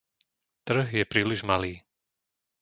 Trh je príliš malý.